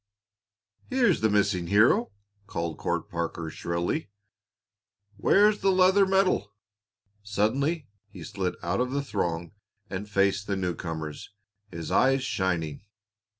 "Here's the missing hero!" called Court Parker, shrilly. "Where's the leather medal?" Suddenly he slid out of the throng and faced the new comers, his eyes shining.